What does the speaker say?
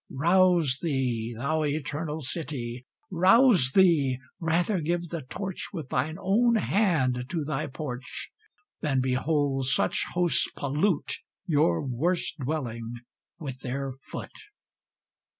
Rouse thee, thou eternal city! Rouse thee! Rather give the torch With thine own hand to thy porch, Than behold such hosts pollute Your worst dwelling with their foot.